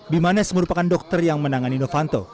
bima nesli merupakan dokter yang menangani novanto